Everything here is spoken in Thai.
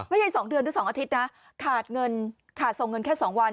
ไม่ใช่สองเดือนหรือสองอาทิตย์นะขาดเงินขาดส่งเงินแค่สองวัน